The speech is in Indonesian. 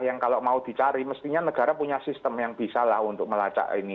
yang kalau mau dicari mestinya negara punya sistem yang bisa lah untuk melacak ini